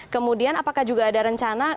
kemudian apakah juga ada rencana